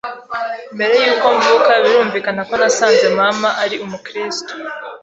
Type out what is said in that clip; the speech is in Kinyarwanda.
mbere yuko mvuka birumvikana ko nasanze mama ari umukristo,